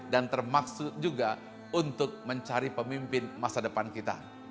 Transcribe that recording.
dan termaksud juga untuk mencari pemimpin masa depan kita